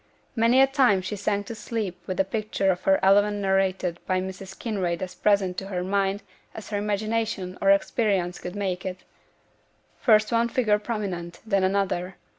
Many a time she sank to sleep with the picture of the event narrated by Mrs. Kinraid as present to her mind as her imagination or experience could make it: first one figure prominent, then another.